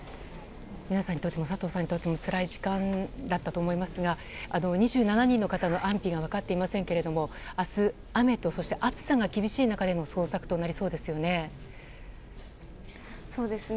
皆さんにとっても佐藤さんにとってもつらい時間だったと思いますが２７人の方の安否が分かっていませんけれども明日、雨と暑さが厳しい中での捜索となりそうですね。